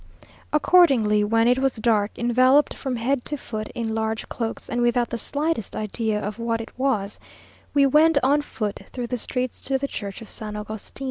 Accordingly, when it was dark, enveloped from head to foot in large cloaks, and without the slightest idea of what it was, we went on foot through the streets to the church of San Agustin.